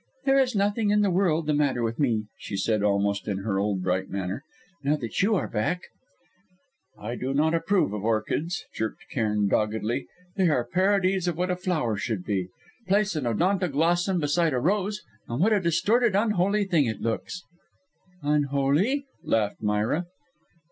"There is nothing in the world the matter with me," she said, almost in her old bright manner "now that you are back " "I do not approve of orchids," jerked Cairn doggedly. "They are parodies of what a flower should be. Place an Odontoglossum beside a rose, and what a distorted unholy thing it looks!" "Unholy?" laughed Myra.